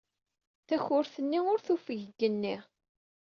Takurt-nni tufeg deg yigenni.